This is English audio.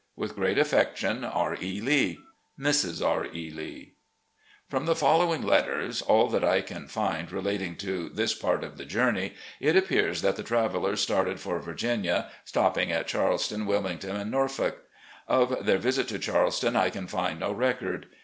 "With great affection, "R. E. Lee. "Mrs. R. E. Lee." From the following letters — ^all that I can find relating to this part of the journey — ^it appears that the travellers started for Virginia, stopping at Charleston, Wilmington, and Norfolk. Of their visit to Charleston I can find no record.